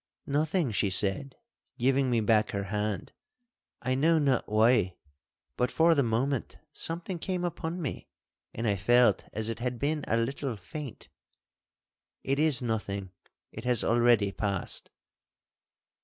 'Nothing,' she said, giving me back her hand; 'I know not why, but for the moment something came upon me, and I felt as it had been a little faint. It is nothing. It has already passed.